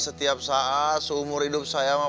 setiap saat seumur hidup saya